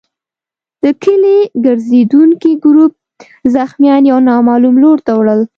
د کلي ګرزېدونکي ګروپ زخمیان يو نامعلوم لور ته وړل.